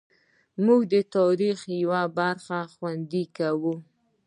موږ د خپل تاریخ یوه برخه خوندي کوو.